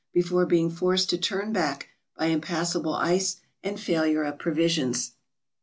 before being forced to turn back by impassable ice and failure of provisions.